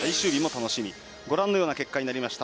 ご覧のような結果になりました。